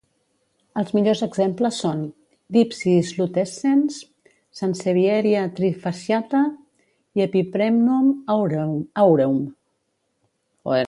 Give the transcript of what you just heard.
Els millors exemples són: "Dypsis lutescens", "Sansevieria trifasciata" i "Epipremnum aureum".